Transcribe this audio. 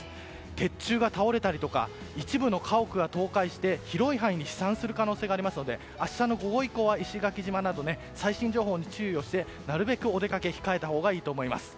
鉄柱が倒れたりとか一部の家屋が倒壊して広い範囲に飛散する可能性がありますので明日の午後以降は石垣島など最新情報に注意してなるべく、お出かけは控えたほうがいいと思います。